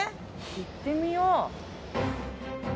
行ってみよう。